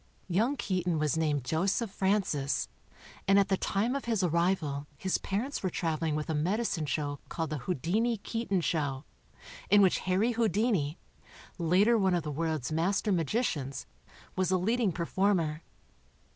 Young Keaton was named Joseph Francis and at the time of his arrival his parents were traveling with a medi cine show* called the Houdini Keaton show, in which Harry Houdini, later one of the world's master magi cians, was a lead ing performer.